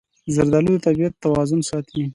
زردالو د طبیعت توازن ساتي.